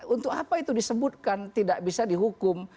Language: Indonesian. untuk apa itu disebutkan tidak bisa dihukum